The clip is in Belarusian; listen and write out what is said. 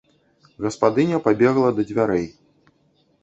Гаспадыня пабегла да дзвярэй.